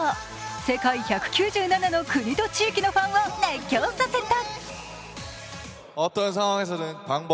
世界１９７の国と地域のファンを熱狂させた。